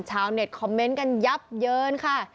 ชาวเน็ตคอมเมนต์กันยับเยินค่ะ